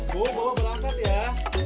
bo bawa berangkat ya